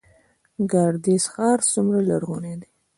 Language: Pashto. ګردیز ښار څومره لرغونی دی؟